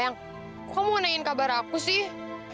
sayang kok kamu nanyain kabar aku sih